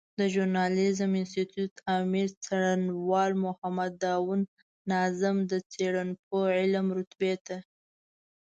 د ژورناليزم انستيتوت آمر څېړنوال محمد داود ناظم د څېړنپوه علمي رتبې ته